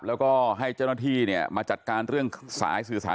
แล้วก็ให้เจ้าหน้าที่เนี่ยมาจัดการเรื่องสายสื่อสาร